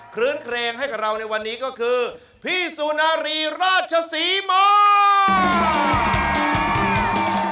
คืนเครงให้กับเราในวันนี้ก็คือพี่สุนารีราชศรีมา